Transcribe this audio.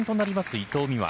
伊藤美誠。